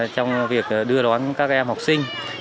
trong việc đưa đón các em học sinh